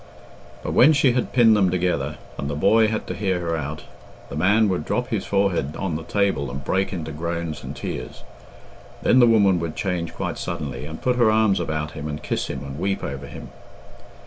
But when she had pinned them together, and the boy had to hear her out, the man would drop his forehead on the table and break into groans and tears. Then the woman would change quite suddenly, and put her arms about him and kiss him and weep over him.